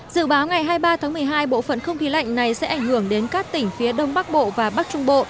dự báo ngày hai mươi ba tháng một mươi hai bộ phận không khí lạnh này sẽ ảnh hưởng đến các tỉnh phía đông bắc bộ và bắc trung bộ